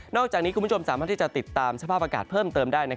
อกจากนี้คุณผู้ชมสามารถที่จะติดตามสภาพอากาศเพิ่มเติมได้